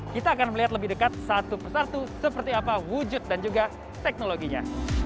kita akan melihat lebih dekat satu persatu seperti apa wujud dan juga teknologinya